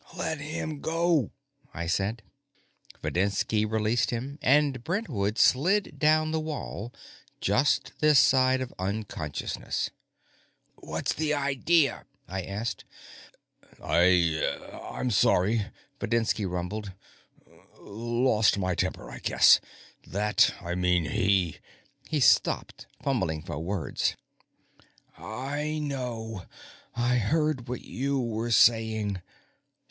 "Let him go," I said. Videnski released him, and Brentwood slid down the wall, just this side of unconsciousness. "What's the idea?" I asked. "I ... I'm sorry," Videnski rumbled. "Lost my temper, I guess. That ... I mean, he " He stopped, fumbling for words. "I know. I heard what you were saying.